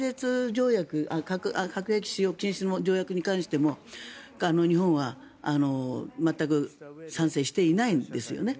核兵器使用禁止の条約に関しても日本は全く賛成していないんですよね。